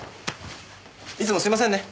いつもすいませんね。